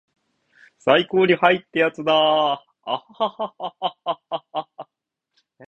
最高にハイ!ってやつだアアアアアアハハハハハハハハハハーッ